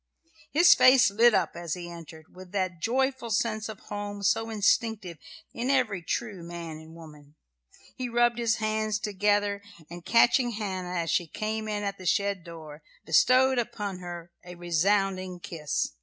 His face lit up, as he entered, with that joyful sense of home so instinctive in every true man and woman. He rubbed his hard hands together, and catching Hannah as she came in at the shed door, bestowed upon her a resounding kiss.